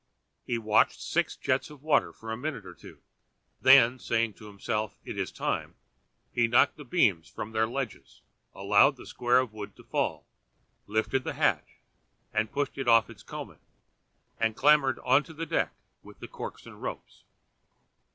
He watched the six jets of water for a minute or two. Then saying to himself, "It is time," he knocked the beams from their ledges, allowed the square of wood to fall, lifted the hatch, and pushed it off its combing, and clambered on to the deck with the corks and ropes.